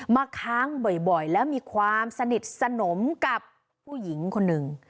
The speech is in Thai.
ค้างบ่อยแล้วมีความสนิทสนมกับผู้หญิงคนหนึ่ง